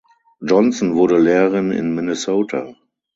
Johnson wurde Lehrerin in Minnesota.